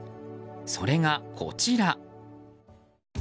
それが、こちら。